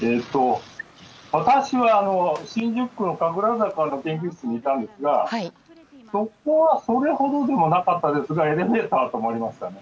私は、新宿区の神楽坂の研究室にいたんですがそこはそれほどでもなかったですがエレベーターは止まりました。